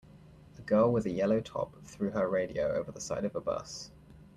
A girl with a yellow top threw her radio over the side of the bus.